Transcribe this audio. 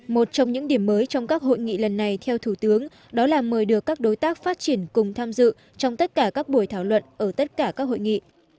một trong những điểm mới trong các hội nghị lần này theo thủ tướng đó là mời được các đối tác phát triển cùng tham dự trong tất cả các buổi thảo luận ở tất cả các hội nghị